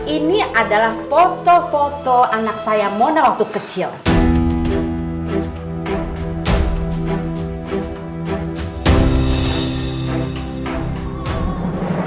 ini adalah foto foto anak saya mona waktu kecil